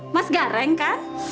mas gareng kan